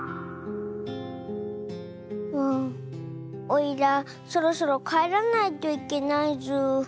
おいらそろそろかえらないといけないズー。